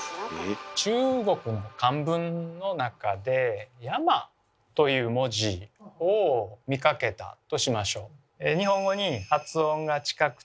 中国の漢文の中で「山」という文字を見かけたとしましょう。